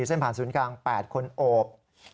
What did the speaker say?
เส้นผ่านศูนย์กลาง๘คนโอบ